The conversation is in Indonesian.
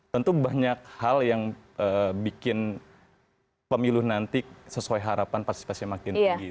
tentu banyak hal yang bikin pemilu nanti sesuai harapan partisipasinya makin tinggi